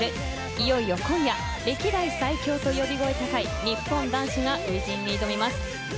いよいよ今夜歴代最強と呼び声高い日本男子が初陣に挑みます。